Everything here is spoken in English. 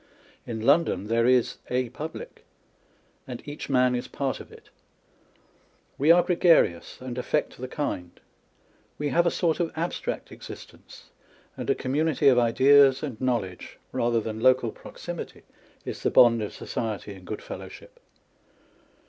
In London there is a public ; and each man is part of it. We are gregarious, and atfeet the kind. We have a sort of abstract existence ; and a community of ideas and knowledge (rather than local proximity) is the bond of society and good fellow ship.